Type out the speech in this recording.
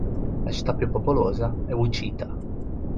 La città più popolosa è Wichita.